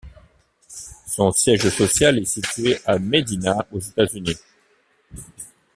Son siège social est situé à Medina aux États-Unis.